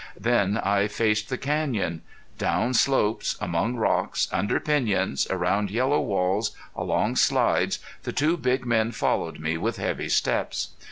Then I faced the canyon. Down slopes, among rocks, under piñons, around yellow walls, along slides, the two big men followed me with heavy steps.